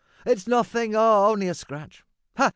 "It's nothing only a scratch. Ha!